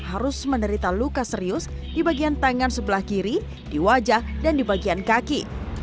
harus menderita luka serius di bagian tangan sebelah kiri di wajah dan di bagian kaki